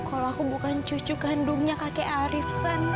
kalo aku bukan cucu gandungnya kakek arif